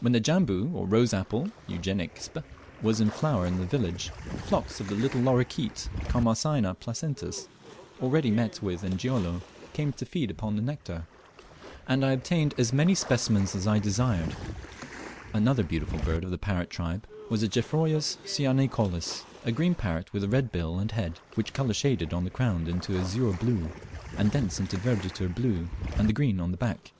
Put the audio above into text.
When the Jambu, or rose apple (Eugenic sp.), was in flower in the village, flocks of the little lorikeet (Charmosyna placentis), already met with in Gilolo, came to feed upon the nectar, and I obtained as many specimens as I desired. Another beautiful bird of the parrot tribe was the Geoffroyus cyanicollis, a green parrot with a red bill and head, which colour shaded on the crown into azure blue, and thence into verditer blue and the green of the back.